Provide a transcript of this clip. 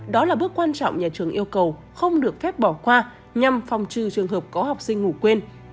đó là bước quan trọng nhà trường yêu cầu không được phép bỏ qua nhằm phòng trừ trường hợp có học sinh ngủ quên